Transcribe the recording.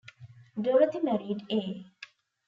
Dorothy married A.